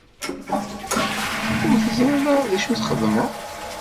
Ur teẓriḍ ara d acu i txedmeḍ?